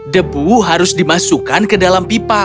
debu harus dimasukkan ke dalam pipa